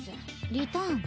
リターン？